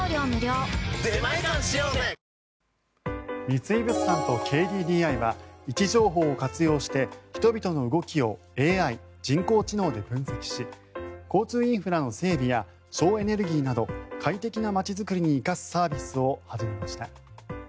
三井物産とＫＤＤＩは位置情報を活用して人々の動きをＡＩ・人工知能で分析し交通インフラの整備や省エネルギーなど快適な街づくりに生かすサービスを始めました。